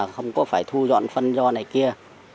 không có phải thu dọn phân do này kia